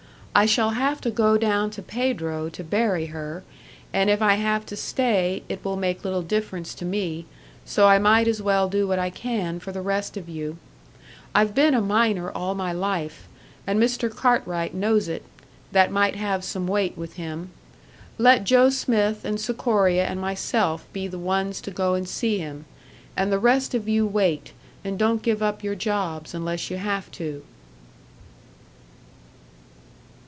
I shall have to go down to Pedro to bury her, and if I have to stay, it will make little difference to me, so I might as well do what I can for the rest of you. I've been a miner all my life, and Mr. Cartwright knows it; that might have some weight with him. Let Joe Smith and Sikoria and myself be the ones to go and see him, and the rest of you wait, and don't give up your jobs unless you have to."